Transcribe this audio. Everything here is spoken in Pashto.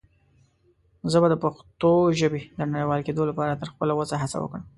زه به دَ پښتو ژبې د نړيوال کيدلو لپاره تر خپله وسه هڅه وکړم.